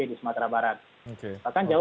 di sumatera barat bahkan jauh